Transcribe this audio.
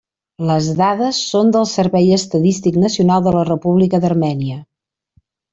Les dades són del Servei Estadístic Nacional de la República d'Armènia.